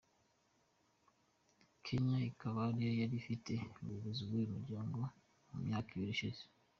Kenya akaba ariyo yari ifite ubuyobozi bw’uyu muryango mu muyaka ibiri ishize.